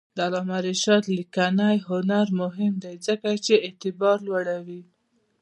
د علامه رشاد لیکنی هنر مهم دی ځکه چې اعتبار لوړوي.